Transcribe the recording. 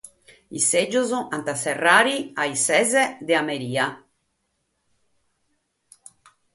Sos sègios ant a serrare a ora de sas ses de bortaedie.